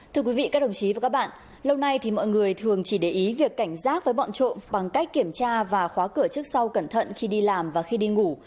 thưa quý vị các đồng chí và các bạn lâu nay thì mọi người thường chỉ để ý việc cảnh giác với bọn trộm bằng cách kiểm tra và khóa cửa trước sau cẩn thận khi đi làm và khi đi ngủ